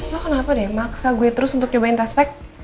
lo kenapa deh maksa gue terus untuk nyobain taspek